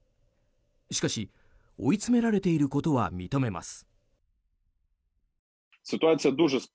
しかし追い詰められていることは認めます。